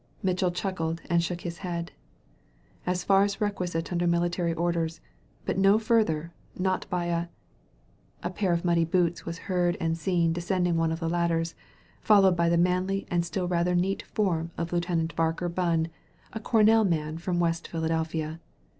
Mitchell chuckled and shook his head, "As far as requisite under military orders. But no further, not by a " A pair of muddy boots was heard and seen de scending one of the ladders, followed by the manly and still rather neat form of Lieutenant Barker Bunn, a Cornell man from West Philadelphia.